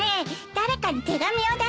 誰かに手紙を出すの？